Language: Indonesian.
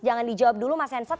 jangan dijawab dulu mas hensat